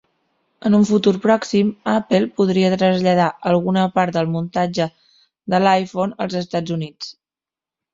En un futur pròxim, Apple podria traslladar alguna part del muntatge de l'iPhone als Estats Units.